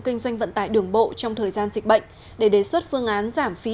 kinh doanh vận tải đường bộ trong thời gian dịch bệnh để đề xuất phương án giảm phí